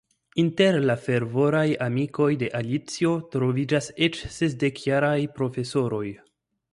Inter la fervoraj amikoj de Alicio troviĝas eĉ sesdekjaraj profesoroj.